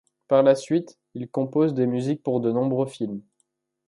Par la suite, il compose des musiques pour de nombreux films.